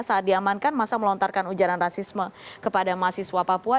saat diamankan masa melontarkan ujaran rasisme kepada mahasiswa papua